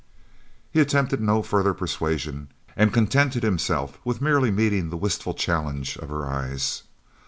He attempted no further persuasion and contented himself with merely meeting the wistful challenge of her eyes.